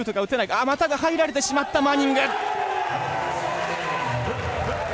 あまただ入られてしまったマニング！